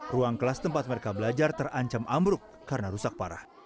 ruang kelas tempat mereka belajar terancam ambruk karena rusak parah